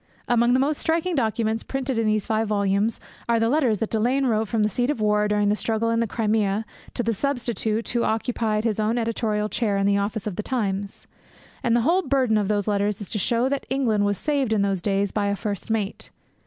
Among the most striking documents printed in these five volumes are the letters that Delane wrote from the seat of war during the struggle in the Crimea to the substitute who occupied his own editorial chair in the office of The Times. And the whole burden of those letters is to show that England was saved in those days by a first mate.